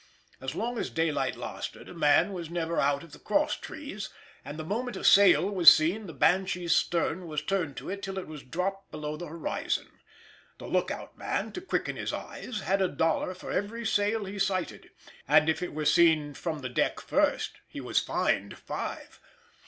As long as daylight lasted a man was never out of the cross trees, and the moment a sail was seen the Banshee's stern was turned to it till it was dropped below the horizon. The lookout man, to quicken his eyes, had a dollar for every sail he sighted, and if it were seen from the deck first he was fined five.